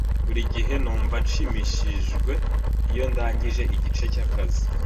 Buri gihe numva nshimishijwe iyo ndangije igice cyakazi.